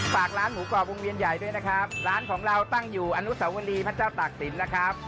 ฝากร้านหมูกรอบวงเวียนใหญ่ด้วยนะครับร้านของเราตั้งอยู่อนุสาวรีพระเจ้าตากศิลป์นะครับ